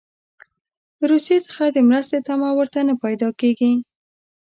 له روسیې څخه د مرستې تمه ورته نه پیدا کیږي.